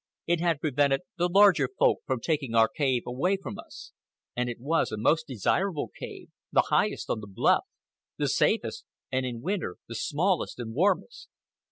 It had prevented the larger Folk from taking our cave away from us. And it was a most desirable cave, the highest on the bluff, the safest, and in winter the smallest and warmest.